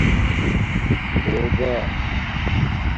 توبہ